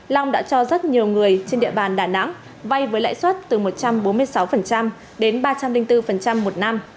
long đã cho rất nhiều người trên địa bàn đà nẵng vay với lãi suất từ một trăm bốn mươi sáu đến ba trăm linh bốn một năm